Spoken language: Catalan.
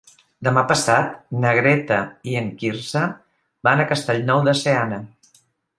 Demà passat na Greta i en Quirze van a Castellnou de Seana.